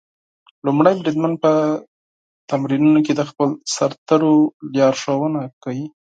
لومړی بریدمن په تمرینونو کې د خپلو سرتېرو لارښوونه کوي.